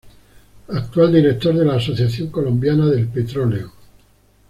Actual director de la Asociación Colombiana del Petróleo.